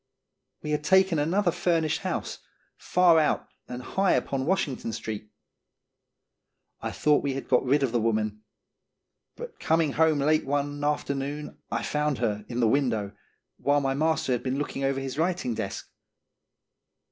We had taken another furnished house, far out and high upon Washington street. I thought we had got rid of the woman; but coming home late one after noon I found her in the window, while my master had been looking over his writing desk.